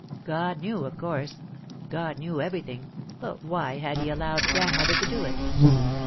God knew, of course God knew everything, but why had He allowed Grandmother to do it?